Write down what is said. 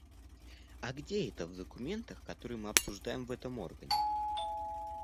А где это в документах, которые мы обсуждаем в этом органе?